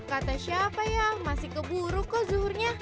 kata siapa ya masih keburuk kok zuhurnya